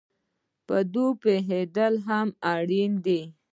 په دې پوهېدل هم اړین دي